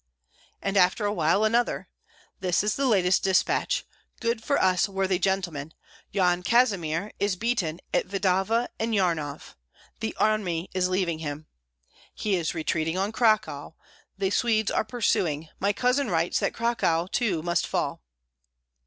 And after a while another, "This is the latest dispatch. Good for us, worthy gentlemen, Yan Kazimir is beaten at Vidava and Jarnov. The army is leaving him! He is retreating on Cracow; the Swedes are pursuing. My cousin writes that Cracow too must fall."